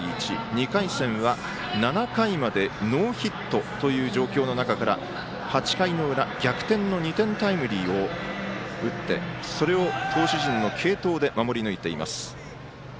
２回戦は７回までノーヒットという状況の中から８回の裏逆転の２点タイムリーを打ってそれを投手陣の継投で守り抜いています。